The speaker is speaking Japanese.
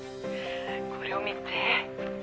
「これを見て」